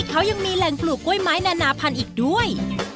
เขายังมีแหล่งปลูกกล้วยไม้นานาพันธุ์อีกด้วย